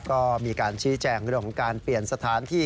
ก็มีการชี้แจงเรื่องของการเปลี่ยนสถานที่